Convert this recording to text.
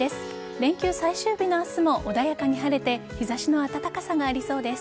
連休最終日の明日も穏やかに晴れて日差しの暖かさがありそうです。